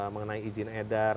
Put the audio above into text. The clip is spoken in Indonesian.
mengenai izin edar